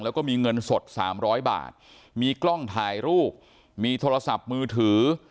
แล้วก็มีเงินสด๓๐๐บาทมีกล้องถ่ายรูปมีโทรศัพท์มือถือ